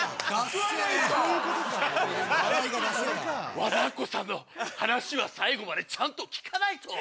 和田アキ子さんの話は最後までちゃんと聞かないと。